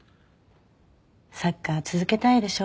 サッカー続けたいでしょ？